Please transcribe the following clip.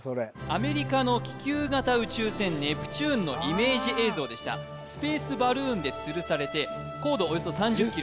アメリカの気球型宇宙船ネプチューンのイメージ映像でしたスペースバルーンでつるされて高度およそ３０ｋｍ